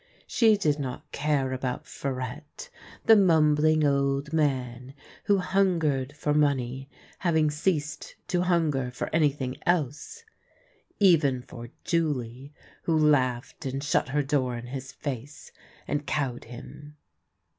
She did not care about Farettc, the mumbling old man who hungered for money, having ceased to hunger for anything else PARPON THE DWARF 209 — even for Julie, who laug hed and shut her door in his face, and cowed him.